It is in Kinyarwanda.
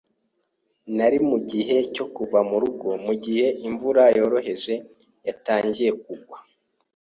Nari mugihe cyo kuva murugo mugihe imvura yoroheje yatangiye kugwa.